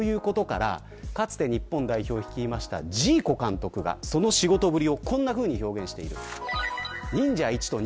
かつて日本代表を率いたジーコ監督がその仕事ぶりをこのように表現しています。